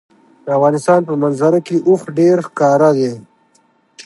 د افغانستان په منظره کې اوښ ډېر ښکاره دی.